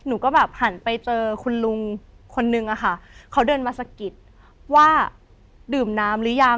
หนูก็แบบหันไปเจอคุณลุงคนนึงอะค่ะเขาเดินมาสะกิดว่าดื่มน้ำหรือยัง